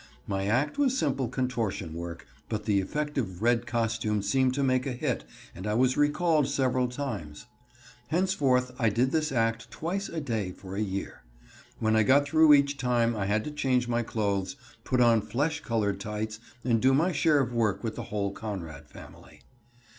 My act was simple contortion work, but the effective red costume seemed to make a hit and I was recalled several times. Henceforth I did this act twice a day for a year. When I got through each time I had to change my clothes, put on flesh colored tights, and do my share of work with the whole Conrad family.